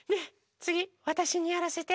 つぎわたしにやらせて。